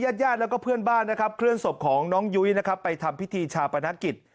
ญาติญาติแล้วก็เพื่อนบ้านนะครับเคลื่อนศพของน้องยุ้ยนะครับไปทำพิธีชาปนกิจ